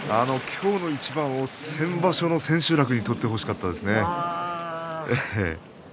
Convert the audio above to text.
今日の一番を先場所の千秋楽に取ってほしかったですね。